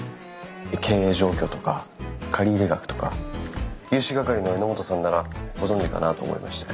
経営状況とか借入額とか融資係の榎本さんならご存じかなと思いまして。